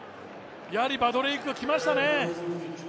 やはりバドレイクきましたね。